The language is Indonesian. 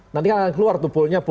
nanti kan akan keluar tuh poolnya